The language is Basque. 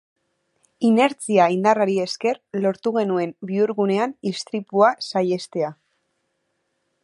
Inertzia indarrari esker lortu genuen bihurgunean istripua saihestea.